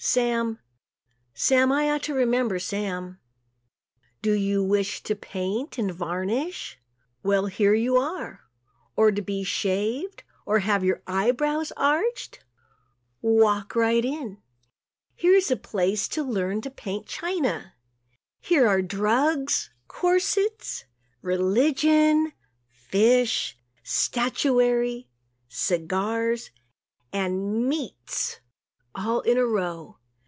Sam, Sam I ought to remember Sam. Do you wish to paint and varnish? Well, here you are. Or to be shaved or have your eye brows arched? Walk right in. Here is a place to learn to paint china. Here are drugs, corsets, religion, fish, statuary, cigars and choice meats all in a row.